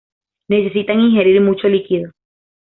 Necesitan ingerir mucho líquido.